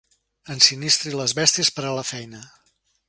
Ensinistri les bèsties per a la feina.